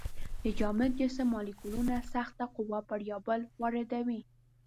د جامد جسم مالیکولونه سخته قوه پر یو بل واردوي.